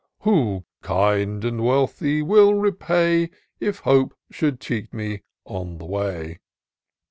91 Who, kind and wealthy, will repay, If Hope should cheat me on the way.